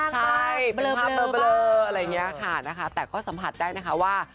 ใช่เป็นภาพเบอร์อะไรอย่างนี้ค่ะนะคะแต่ก็สัมผัสได้นะคะว่า